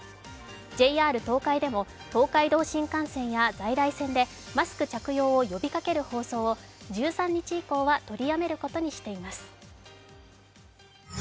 ＪＲ東海でも、東海道新幹線や在来線でマスク着用を呼びかける放送を１３日以降はとりやめることにしています。